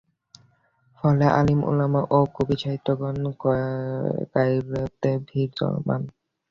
ফলে আলিম-উলামা ও কবি-সাহিত্যিকগণ কায়রোতে ভিড় জমান।